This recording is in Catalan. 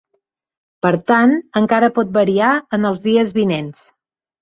Per tant, encara pot variar en els dies vinents.